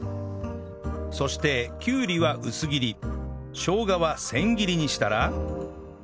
そしてきゅうりは薄切りしょうがは千切りにしたら